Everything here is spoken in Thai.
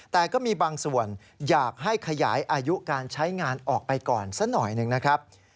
แต่ก็มีบางส่วนอยากให้ขยายอายุการใช้งานออกไปก่อนสักหน่อยหนึ่งนะครับ